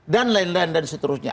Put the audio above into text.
dan lain lain dan seterusnya